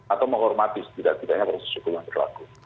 atau menghormati setidaknya proses hukum yang berlaku